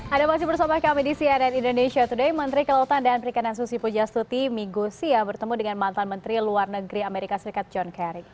ada masih bersama kami di cnn indonesia today menteri kelautan dan perikanan susi pujastuti migosia bertemu dengan mantan menteri luar negeri amerika serikat john kerry